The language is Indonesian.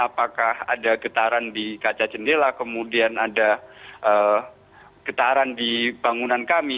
apakah ada getaran di kaca jendela kemudian ada getaran di bangunan kami